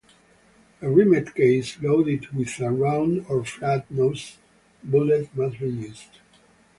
A rimmed case loaded with a round or flat nosed bullet must be used.